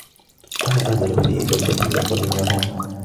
أنا أعمل في بلدة بالقرب من روما.